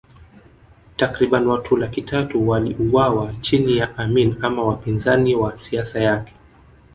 Takriban watu laki tatu waliuawa chini ya Amin ama wapinzani wa siasa yake